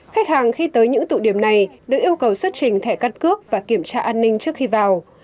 khách hàng khi tới những tụ điểm này được yêu cầu xuất trình thẻ cắt cước và kiểm tra an ninh trước khi vào